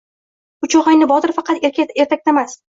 Uch og‘ayni botir faqat ertakdamas